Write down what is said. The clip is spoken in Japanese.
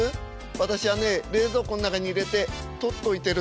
私はね冷蔵庫の中に入れて取っといてるんです。